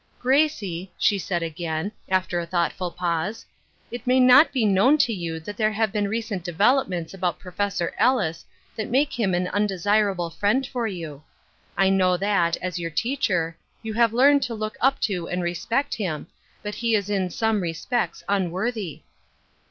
" Gracie," she said again, after a thoughtful pause, " it may not be known to you that there have been recent developments about Prof. Ellia that make him an undesirable friend for you. I know that, as your teacher, you have learned to look up to and respect him, but he is in some respects unworthy."